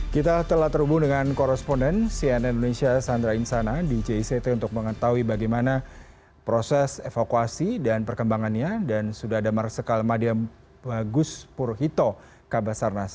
kita telah terhubung dengan koresponden cnn indonesia sandra insana di jict untuk mengetahui bagaimana proses evakuasi dan perkembangannya dan sudah ada marsikal madiam bagus purhito kabasarnas